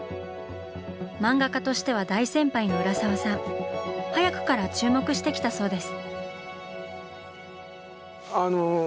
漫画家としては大先輩の浦沢さん早くから注目してきたそうです。